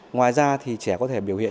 ngoài ra thì trẻ có thể biểu hiện